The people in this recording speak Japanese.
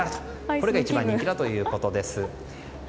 これが一番人気だということです。